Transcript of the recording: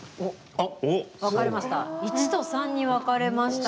分かれました。